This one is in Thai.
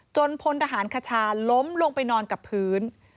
พลทหารคชาล้มลงไปนอนกับพื้น